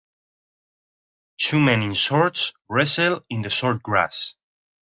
Two men in shorts wrestle in the short grass.